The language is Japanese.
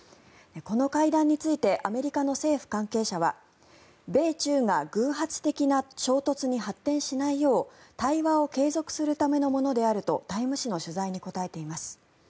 この会談についてアメリカの政府関係者は米中が偶発的な衝突に発展しないよう対話を継続するためのものであると「タイム」誌の取材に答えています。